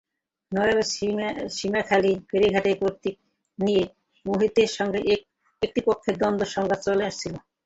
নড়াইল সীমাখালি ফেরিঘাটের কর্তৃত্ব নিয়ে মোহিতের সঙ্গে একটি পক্ষের দ্বন্দ্ব-সংঘাত চলে আসছিল।